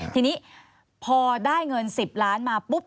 ทีนี้พอได้เงิน๑๐ล้านมาปุ๊บ